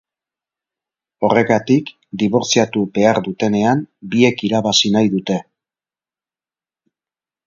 Horregatik, dibortziatu behar dutenean, biek irabazi nahi dute.